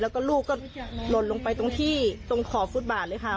แล้วก็ลูกก็หล่นลงไปตรงที่ตรงขอบฟุตบาทเลยค่ะ